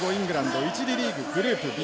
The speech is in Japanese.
１次リーググループＢ